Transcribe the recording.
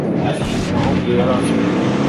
abahungu yari afite